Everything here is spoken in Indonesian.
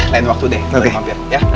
lain waktu deh kita mampir ya